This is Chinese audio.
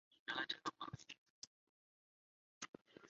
黄胸鹬为鹬科滨鹬属下的一个种。